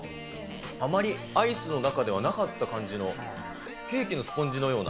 あまりアイスの中ではなかった感じの、ケーキのスポンジのような。